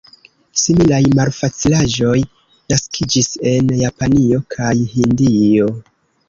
Similaj malfacilaĵoj naskiĝis en Japanio kaj Hindio.